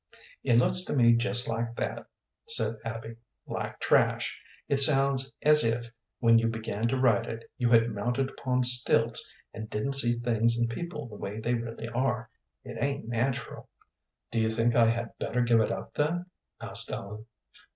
"It looks to me just like that," said Abby "like trash. It sounds as if, when you began to write it, you had mounted upon stilts, and didn't see things and people the way they really were. It ain't natural." "Do you think I had better give it up, then?" asked Ellen.